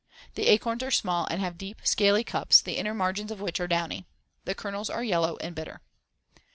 The acorns are small and have deep, scaly cups the inner margins of which are downy. The kernels are yellow and bitter.